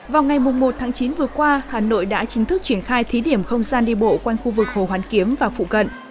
vào ngày một tháng chín vừa qua hà nội đã chính thức triển khai thí điểm không gian đi bộ quanh khu vực hồ hoàn kiếm và phụ cận